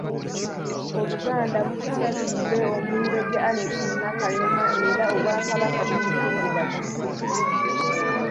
Obuganda busabidde omumbejja Annette Nakalema era Obwakabaka bukungubagidde.